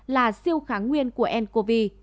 là siêu kháng nguyên của ncov